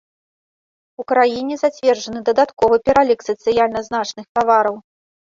У краіне зацверджаны дадатковы пералік сацыяльна значных тавараў.